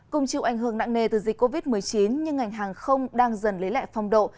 cùng chịu ảnh hưởng nặng nề từ dịch covid một mươi chín nhưng ngành hàng không đang dần lấy lại phong độ